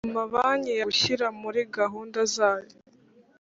Amabanki yagombye gushyira muri gahunda zayo